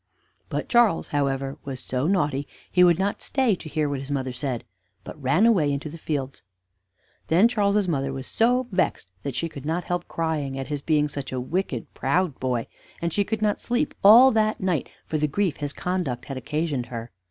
But Charles, however, was so naughty he would not stay to hear what his mother said, but ran away into the fields. Then Charles's mother was so vexed that she could not help crying at his being such a wicked, proud boy; and she could not sleep all that night for the grief his conduct had occasioned her.